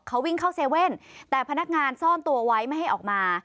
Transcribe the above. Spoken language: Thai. เขาวิ่งเข้าเซเว่นแต่พนักงานซ่อนตัวไว้ไม่ให้ออกมา